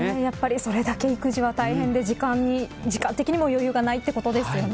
それだけ育児は大変で時間的にも余裕がないということですね。